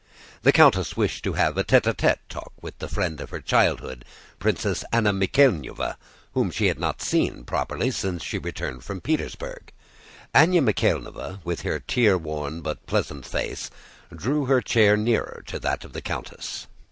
The countess wished to have a tête à tête talk with the friend of her childhood, Princess Anna Mikháylovna, whom she had not seen properly since she returned from Petersburg. Anna Mikháylovna, with her tear worn but pleasant face, drew her chair nearer to that of the countess.